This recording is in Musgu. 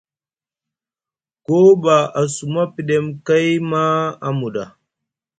Koo ɓa a suma pɗem kay maa a muɗa.